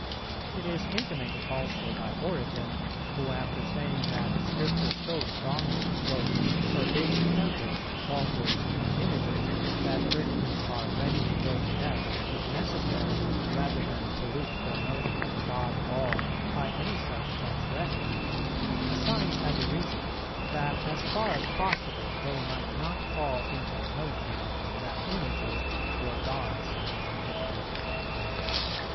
It is intimated also by Origen, who, after saying that Scripture so strongly "forbids temples, altars, and images," that Christians are "ready to go to death, if necessary, rather than pollute their notion of the God of all by any such transgression," assigns as a reason "that, as far as possible, they might not fall into the notion that images were gods." St.